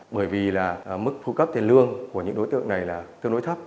bởi vì là mức thu cấp tiền lương của những đối tượng này là tương đối thấp